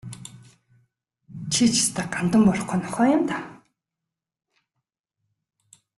Чи ч ёстой гандан буурахгүй нохой юм даа.